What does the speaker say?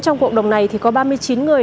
trong cộng đồng này thì có ba mươi chín người